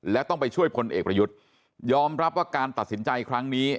และต้องไปช่วยพลเอกประยุทธ์ยอมรับว่าการตัดสินใจครั้งนี้